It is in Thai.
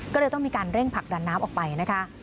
ก็เลยต้องมีการเร่งผลักดันน้ำออกไปนะคะ